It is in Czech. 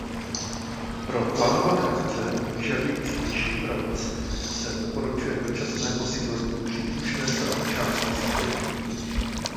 Pro plánované akce vyžadující vyšší provoz se doporučuje dočasné posílení příslušné části sítě.